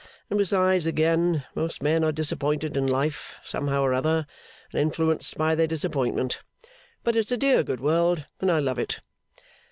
And besides, again, most men are disappointed in life, somehow or other, and influenced by their disappointment. But it's a dear good world, and I love it!